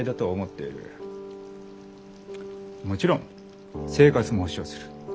もちろん生活も保障する。